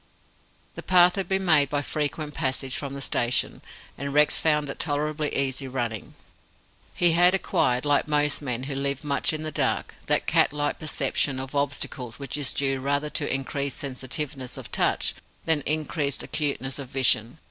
The path had been made by frequent passage from the station, and Rex found it tolerably easy running. He had acquired like most men who live much in the dark that cat like perception of obstacles which is due rather to increased sensitiveness of touch than increased acuteness of vision.